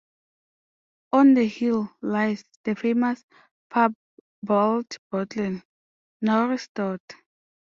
On the hill lies the famous "Parbold Bottle", now restored.